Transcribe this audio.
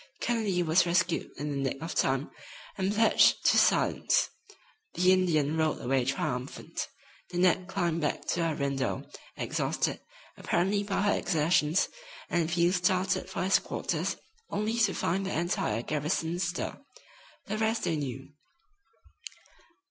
Kennedy was rescued in the nick of time, and pledged to silence. The Indian rode away triumphant. Nanette climbed back to her window, exhausted, apparently, by her exertions, and Field started for his quarters, only to find the entire garrison astir. The rest they knew.